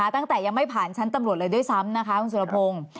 ตั้งแต่ยังไม่ผ่านชั้นตำรวจเลยด้วยซ้ำนะคะคุณสุรพงศ์